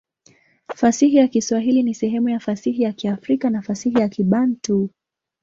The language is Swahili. Fasihi ya Kiswahili ni sehemu ya fasihi ya Kiafrika na fasihi ya Kibantu.